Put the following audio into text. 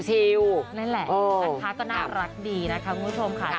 นั่นแหละนะคะก็น่ารักดีนะคะคุณผู้ชมค่ะ